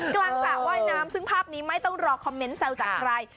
สระว่ายน้ำซึ่งภาพนี้ไม่ต้องรอคอมเมนต์แซวจากใคร